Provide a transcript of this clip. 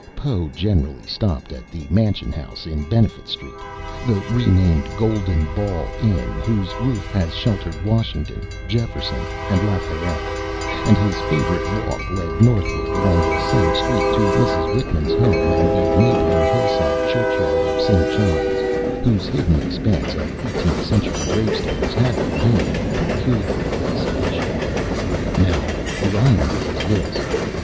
Poe generally stopped at the Mansion House in Benefit Street the renamed Golden Ball Inn whose roof has sheltered Washington, Jefferson, and Lafayette and his favorite walk led northward along the same street to Mrs. Whitman's home and the neighboring hillside churchyard of St. John's, whose hidden expanse of Eighteenth Century gravestones had for him a peculiar fascination. Now the irony is this.